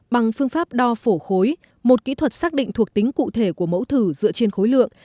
bằng phương pháp đo phổ khối một kỹ thuật xác định thuộc tính cụ thể của mẫu thử dựa trên khối lượng